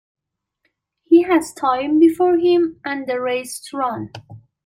He has time before him, and the race to run.